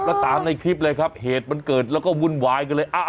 แล้วตามในคลิปเลยครับเหตุมันเกิดแล้วก็วุ่นวายก็เลย